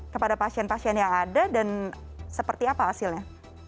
kepada pasien pasien yang ada dan seperti apa hasilnya